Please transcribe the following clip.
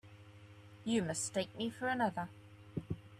You mistake me for another.